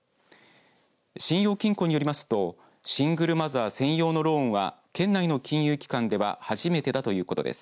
信用金庫によりますとシングルマザー専用のローンは県内の金融機関では初めてだということです。